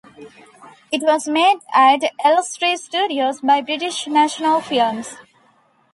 It was made at Elstree Studios by British National Films.